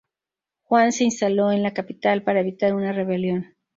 Juan se instaló en la capital para evitar una rebelión.